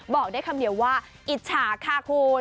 บอกได้คำเดียวว่าอิจฉาค่ะคุณ